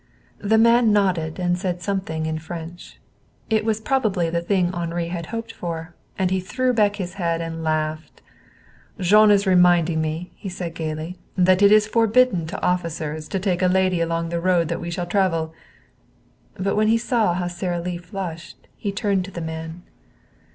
The man nodded and said something in French. It was probably the thing Henri had hoped for, and he threw back his head and laughed. "Jean is reminding me," he said gayly, "that it is forbidden to officers to take a lady along the road that we shall travel." But when he saw how Sara Lee flushed he turned to the man.